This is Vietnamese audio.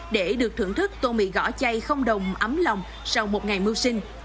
để được thưởng thức tô mì gõ chay không đồng ấm lòng sau một ngày mưu sinh